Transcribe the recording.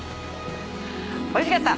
おいしかった！